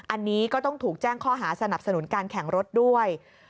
อันนี้ก็ต้องถูกแจ้งข้อหาสนับสนุนการแข่งรถด้วย